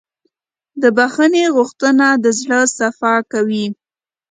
د بښنې غوښتنه د زړه صفا کوي.